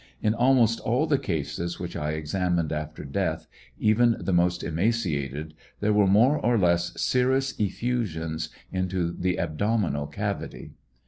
In almost all the cases which I examined after death, even the most emaciated, there were more or less serous effusions into the abdomi nal cavity.